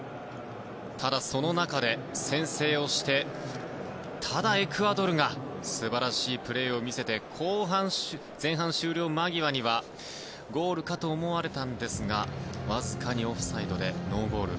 ただ、その中で先制をしてただ、エクアドルが素晴らしいプレーを見せて前半終了間際にはゴールかと思われたんですがわずかにオフサイドでノーゴール。